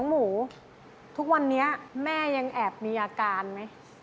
หมูทุกวันนี้แม่ยังแอบมีอาการไหม